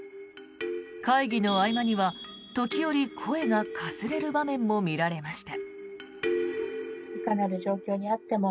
会議の合間には時折、声がかすれる場面も見られました。